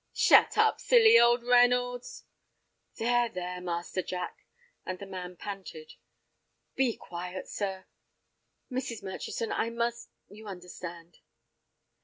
"Shut up, silly old Reynolds—" "There, there, Master Jack," and the man panted; "be quiet, sir. Mrs. Murchison, I must—you understand."